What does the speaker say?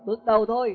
bước đầu thôi